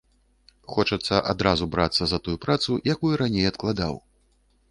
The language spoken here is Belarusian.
Хочацца адразу брацца за тую працу, якую раней адкладаў.